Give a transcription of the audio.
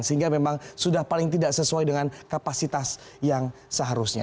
sehingga memang sudah paling tidak sesuai dengan kapasitas yang seharusnya